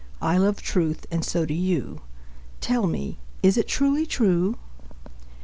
I love truth, and so do you ... Tell me, is it truly true?